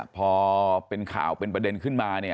พอเป็นข่าวเป็นประเด็นขึ้นมา